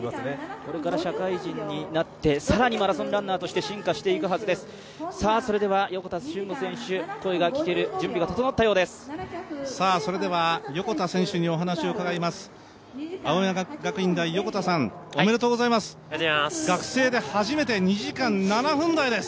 これから社会人になって、さらにマラソンランナーとして進化していくはずです、横田俊吾選手、声が聞ける準備が整ったそうです。